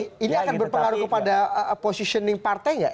ini akan berpengaruh kepada positioning partai nggak